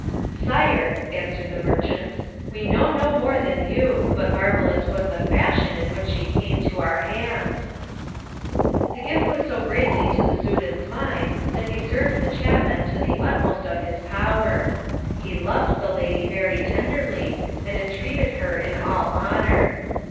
"Sire," answered the merchants, "we know no more than you, but marvellous was the fashion in which she came to our hands." The gift was so greatly to the Soudan's mind that he served the chapmen to the utmost of his power. He loved the lady very tenderly, and entreated her in all honour.